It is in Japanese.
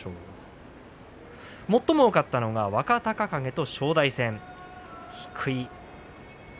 最も多かったのが若隆景と正代戦でした。